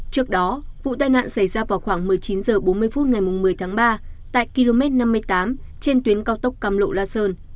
trước đó vụ tai nạn xảy ra vào khoảng một mươi chín h bốn mươi phút ngày một mươi tháng ba tại km năm mươi tám trên tuyến cao tốc cam lộ la sơn